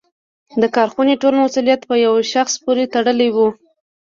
د کارخونې ټول مسوولیت په یوه شخص پورې تړلی و.